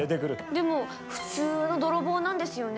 でも普通の泥棒なんですよね？